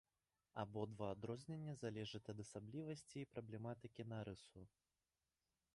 Абодва адрознення залежаць ад асаблівасцей праблематыкі нарысу.